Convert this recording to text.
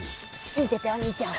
見ててお兄ちゃん。